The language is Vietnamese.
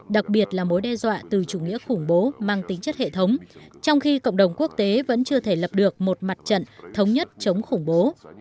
đặc biệt là mối đe dọa từ chủ nghĩa khủng bố mang tính chất hệ thống trong khi cộng đồng quốc tế vẫn chưa thể lập được một mặt trận thống nhất chống khủng bố